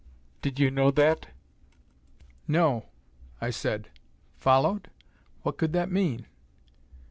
"Did you know that?" "No," I said. Followed? What could that mean?